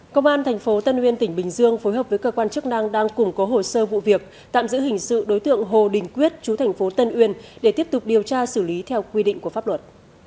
công an tp tân uyên tỉnh bình dương phối hợp với cơ quan chức năng đang củng cố hồ sơ vụ việc tạm giữ hình sự đối tượng hồ đình quyết chú thành phố tân uyên để tiếp tục điều tra xử lý theo quy định của pháp luật